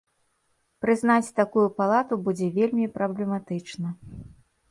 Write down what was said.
Прызнаць такую палату будзе вельмі праблематычна.